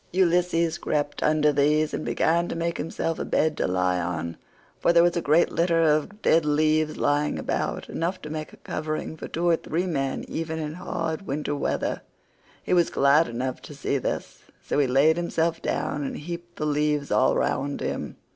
Ulysses crept under these and began to make himself a bed to lie on, for there was a great litter of dead leaves lying about—enough to make a covering for two or three men even in hard winter weather. He was glad enough to see this, so he laid himself down and heaped the leaves all round him.